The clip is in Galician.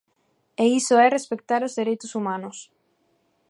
E iso é respectar os dereitos humanos.